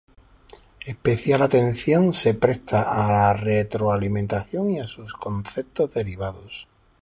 Especial atención se presta a la retroalimentación y sus conceptos derivados.